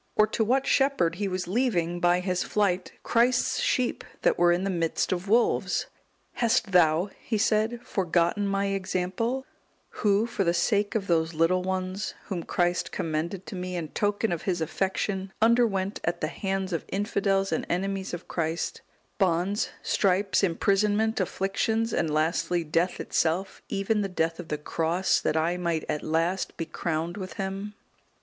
or to what shepherd he was leaving, by his flight, Christ's sheep that were in the midst of wolves? "Hast thou," he said, "forgotten my example, who, for the sake of those little ones, whom Christ commended to me in token of His affection, underwent at the hands of infidels and enemies of Christ, bonds, stripes, imprisonment, afflictions, and lastly, death itself, even the death of the cross, that I might at last be crowned with Him?"